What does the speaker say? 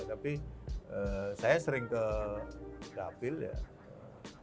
tapi saya sering ke dapil ya